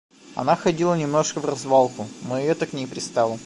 Она ходила немножко вразвалку, но и это к ней пристало.